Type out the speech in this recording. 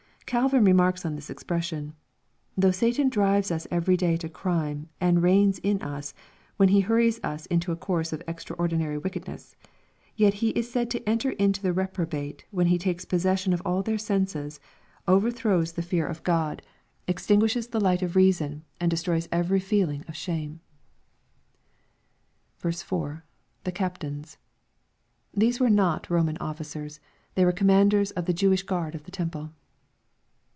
] Calvin remarks on this expression, *' Though Satan drives us every day to crime, and reigns in us, when he hurries us into a course of extraordinary wickedness ; yet he is said to enter into the reprobate when he takes possession of all their senses, overthrovs'^s the fear of God. LUKE, CHAP. XXII. 893 extingjishes the light of reason, and destroys every feeling of shame." 4. — [The Captains,] These were not Roman officers. They were commanders of the Jewish guard of the Temple.